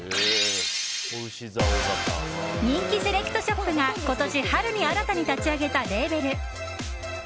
人気セレクトショップが今年春に新たに立ち上げたレーベル。